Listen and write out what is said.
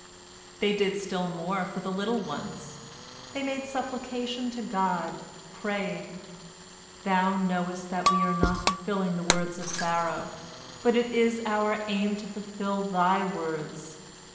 They did still more for the little ones. They made supplication to God, praying: "Thou knowest that we are not fulfilling the words of Pharaoh, but it is our aim to fulfil Thy words.